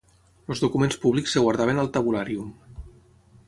Els documents públics es guardaven al tabulàrium.